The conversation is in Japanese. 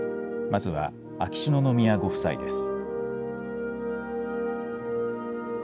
まずは秋篠宮ご夫妻です。